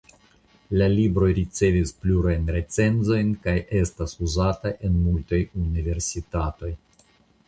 La libro ricevis plurajn recenzojn kaj estas uzata en multaj universitatoj.